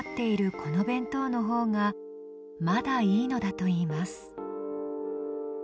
この弁当のほうがまだいいのだといいます。